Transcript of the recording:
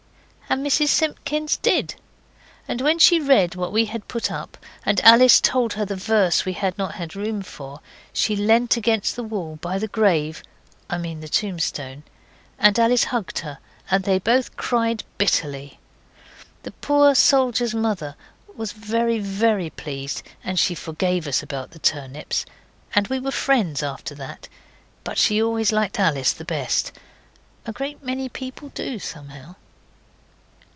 And Mrs Simpkins did. And when she read what we had put up, and Alice told her the verse we had not had room for, she leant against the wall by the grave I mean the tombstone and Alice hugged her, and they both cried bitterly. The poor soldier's mother was very, very pleased, and she forgave us about the turnips, and we were friends after that, but she always liked Alice the best. A great many people do, somehow.